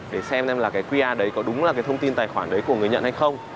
để xem xem là cái qr đấy có đúng là cái thông tin tài khoản đấy của người nhận hay không